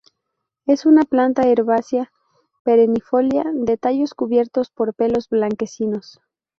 Es una planta herbácea perennifolia de tallos cubiertos por pelos blanquecinos.